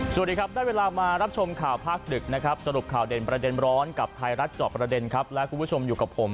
สวัสดีครับได้เวลามารับชมข่าวภาคดึกนะครับสรุปข่าวเด่นประเด็นร้อนกับไทยรัฐจอบประเด็นครับและคุณผู้ชมอยู่กับผม